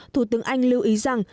thủ tướng anh lưu ý rằng